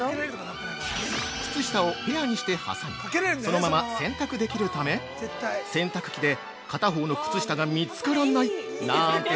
◆靴下をペアにして挟み、そのまま洗濯できるため、洗濯機で「片方の靴下が見つからない」なんて